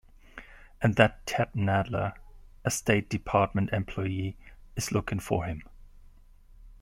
And that Ted Nadler, a State Department employee, is looking for him.